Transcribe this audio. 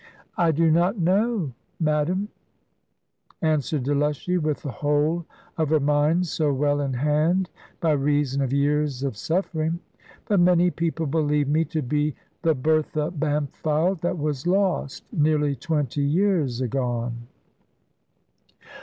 "I do not know, Madam," answered Delushy, with the whole of her mind so well in hand, by reason of years of suffering; "but many people believe me to be the Bertha Bampfylde that was lost, nearly twenty years agone."